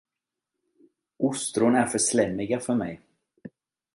Ostron är för slemmiga för mig.